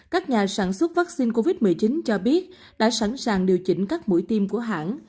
các nhà sản xuất vaccine covid một mươi chín cho biết đã sẵn sàng điều chỉnh các mũi tiêm của hãng